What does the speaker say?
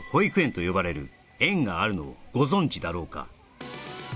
と呼ばれる園があるのをご存じだろうか？